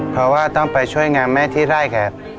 เพราะว่าต้องไปช่วยงานแม่ที่ไร่แก่